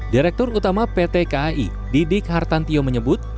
direktur utama pt kai didik hartantio menyebut